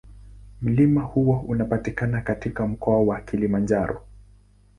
Mlima huo unapatikana katika Mkoa wa Kilimanjaro.